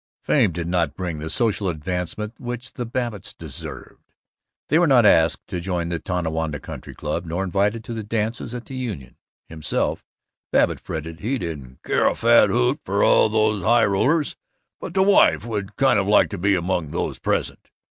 Fame did not bring the social advancement which the Babbitts deserved. They were not asked to join the Tonawanda Country Club nor invited to the dances at the Union. Himself, Babbitt fretted, he didn't "care a fat hoot for all these highrollers, but the wife would kind of like to be Among Those Present."